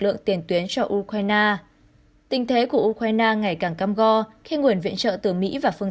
lượng tiền tuyến cho ukraine tình thế của ukraine ngày càng cam go khi nguồn viện trợ từ mỹ và phương